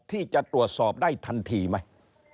ที่จะตรวจสอบได้ทันทีไหม